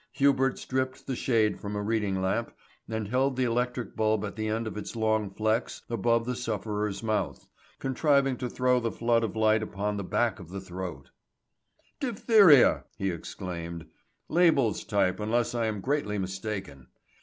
Hubert stripped the shade from a reading lamp and held the electric bulb at the end of its long flex above the sufferer's mouth, contriving to throw the flood of light upon the back of the throat. [Illustration: "Diphtheria!" he exclaimed.] "Diphtheria!" he exclaimed. "Label's type unless I am greatly mistaken.